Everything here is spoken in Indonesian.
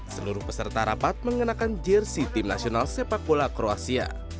seluruh peserta rapat mengenakan jersi tim nasional sepak bola kroasia